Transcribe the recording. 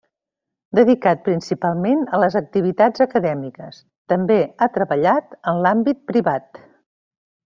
Dedicat principalment a les activitats acadèmiques, també ha treballat en l'àmbit privat.